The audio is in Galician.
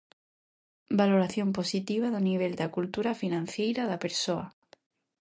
Valoración positiva do nivel de cultura financeira da persoa.